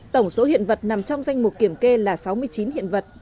tổng số hiện vật nằm trong danh mục kiểm kê là sáu mươi chín hiện vật